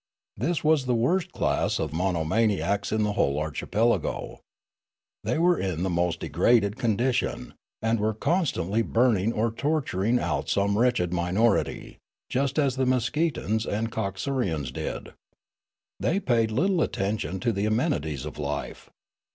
This was the worst class of monomaniacs in the whole archipelago. They were in the most degraded con dition, and were constantl}^ burning or torturing out some wretched minority, just as the Meskeetans and Coxurians did. They paid little attention to the amenities of life.